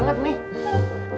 banyak pokoknya ya